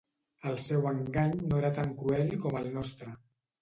El seu engany no era tan cruel com el nostre.